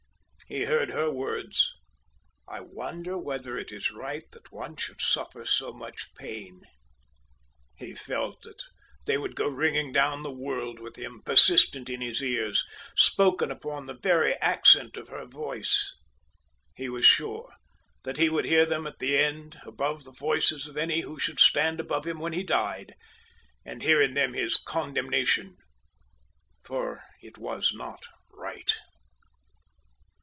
He heard her words, "I wonder whether it is right that one should suffer so much pain." He felt that they would go ringing down the world with him, persistent in his ears, spoken upon the very accent of her voice. He was sure that he would hear them at the end above the voices of any who should stand about him when he died, and hear in them his condemnation. For it was not right.